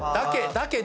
だけど。